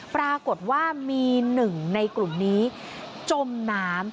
ปรากฏว่ามีหนึ่งในกลุ่มนี้จมน้ำ